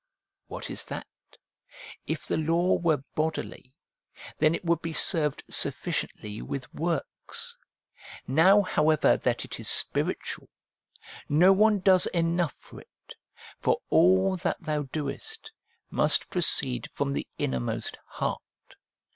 What is that ? If the law were bodily, then it would be served sufficiently with works ; PROLOGUE TO ROMANS 333 now however that it is spiritual, no one does enough for it, for all that thou doest must proceed from the inner most heart.